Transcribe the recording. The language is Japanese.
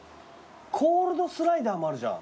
コールドスライダーもあるじゃん。